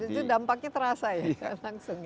itu dampaknya terasa ya langsung ya